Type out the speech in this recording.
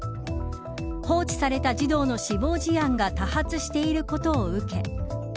放置された児童の死亡事案が多発していることを受け